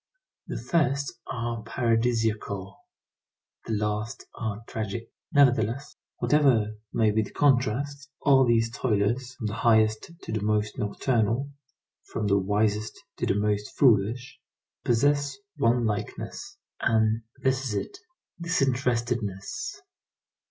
The first are paradisiacal, the last are tragic. Nevertheless, whatever may be the contrast, all these toilers, from the highest to the most nocturnal, from the wisest to the most foolish, possess one likeness, and this is it: disinterestedness.